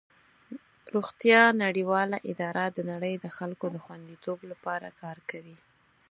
روغتیا نړیواله اداره د نړۍ د خلکو د خوندیتوب لپاره کار کوي.